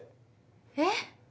えっ？